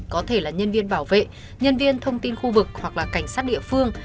có thể là nhân viên bảo vệ nhân viên thông tin khu vực hoặc là cảnh sát địa phương